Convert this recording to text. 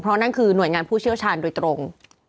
เพราะนั่นคือหน่วยงานผู้เชี่ยวชาญโดยตรง